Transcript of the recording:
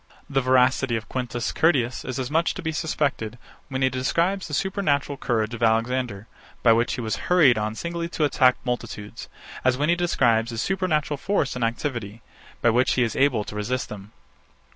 The veracity of Quintus Curtius is as much to be suspected, when he describes the supernatural courage of Alexander, by which he was hurried on singly to attack multitudes, as when he describes his supernatural force and activity, by which he was able to resist them.